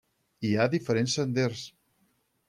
Hi ha diferents senders.